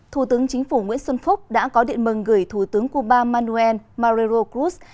thủ tướng chính phủ nguyễn xuân phúc đã có điện mừng gửi thủ tướng cuba manuel marrero cruz